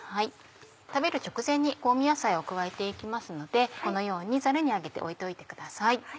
食べる直前に香味野菜を加えて行きますのでこのようにざるにあげて置いておいてください。